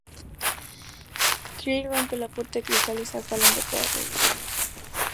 Kirk rompe la puerta de cristal y saca al hombre para revivirlo.